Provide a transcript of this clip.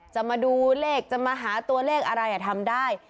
จะมาดูเลขจะมาหาตัวเลขอะไรทำได้